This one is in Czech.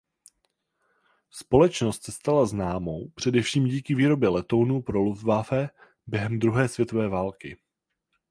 Společnost se stala známou především díky výrobě letounů pro Luftwaffe během druhé světové války.